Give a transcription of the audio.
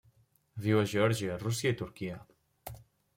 Viu a Geòrgia, Rússia i Turquia.